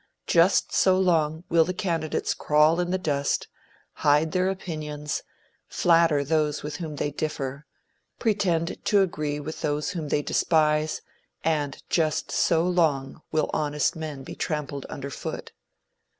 Just so long will the candidates crawl in the dust hide their opinions, flatter those with whom they differ, pretend to agree with those whom they despise; and just so long will honest men be trampled under foot.